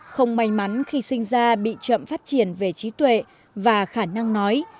không may mắn khi sinh ra bị chậm phát triển về trí tuệ và khả năng nói